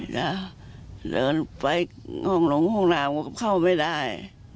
ถ้าเดินไปห้องหลงห้องหลังก็เข้าไม่ได้